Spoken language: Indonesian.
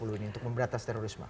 untuk memberatas terorisme